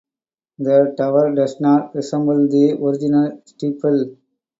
The tower does not resemble the original steeple.